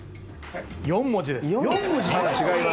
４文字です。